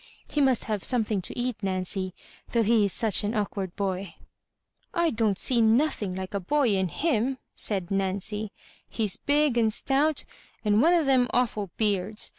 He must have some thing to eat, Nancy, though he is such an awk ward boy." "I don't see nothing like a boy in him," said Nancy; "he's big and stout, and one o' thenoi awful beards.